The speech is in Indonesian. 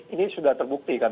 ini sudah terbuktikan